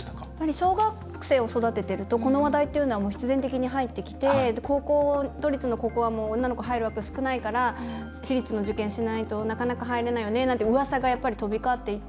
小学生を育てているとこの話題というのは必然的に入ってきて都立の高校は女の子、入る枠、少ないから私立の受験しないとなかなか入れないよねなんてうわさが飛び交っていて。